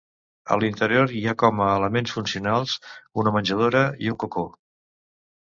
A l'interior hi ha com a elements funcionals una menjadora i un cocó.